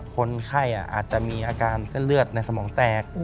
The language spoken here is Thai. คนไข้อาจจะมีอาการเส้นเลือดในสมองแตก